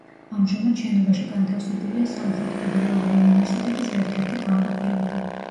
ამჟამად შენობაში განთავსებულია სამხრეთ ფედერალური უნივერსიტეტის ერთ-ერთი განყოფილება.